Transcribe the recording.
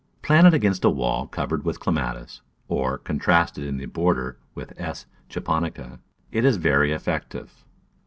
Planted against a wall covered with the Clematis, or contrasted in the border with S. Japonica, it is very effective.